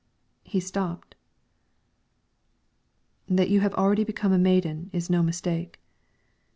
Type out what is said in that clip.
He stopped. "That you have already become a maiden is no mistake."